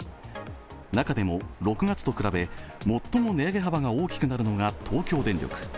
中でも６月と比べ最も値上げ幅が大きくなるのが東京電力。